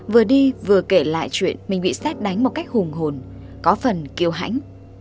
vừa đi vừa kể lại chuyện mình bị xét đánh một cách hùng hồn có phần kiều hãnh